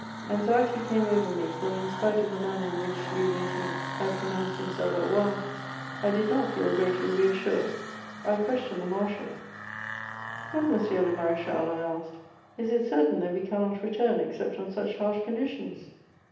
Anxiety came over me, for, in spite of the manner in which Louis XVIII. had pronounced himself at Roye, I did not feel greatly reassured. I questioned the marshal: "What, monsieur le maréchal!" I asked. "Is it certain that we cannot return except on such harsh conditions?"